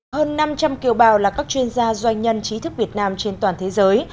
hơn năm trăm linh kiều bào là các chuyên gia doanh nhân trí thức việt nam trên toàn thế giới